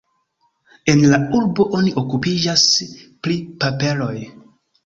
En la urbo oni okupiĝas pri paperoj.